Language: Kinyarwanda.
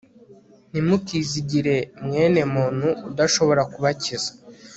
ntimukizigire mwene muntu udashobora kubakiza